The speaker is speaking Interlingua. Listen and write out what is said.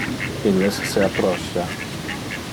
Illes se approcha.